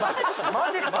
マジすか？